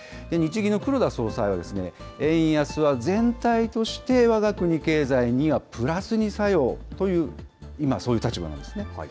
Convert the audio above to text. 日銀の黒田総裁は、円安は全体として、わが国経済にはプラスに作用という、今、そういう立場なんですね。